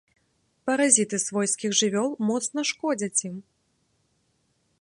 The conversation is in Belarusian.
Паразіты свойскіх жывёл моцна шкодзяць ім.